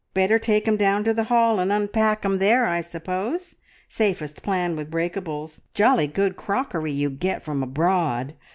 Better take 'em down to the hall and unpack them there, I suppose? Safest plan with breakables. Jolly good crockery you get from abroad!